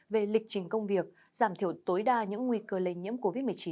về lịch trình công việc giảm thiểu tối đa những nguy cơ lây nhiễm covid một mươi chín